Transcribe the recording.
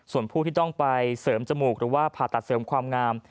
ส่วนผู้ที่ต้องไปเสริมจมูกหรือว่าผ่าตัดเสริมความงาม